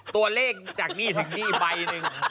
ตัวเลขจากนี่ถึงนี่ใบหนึ่ง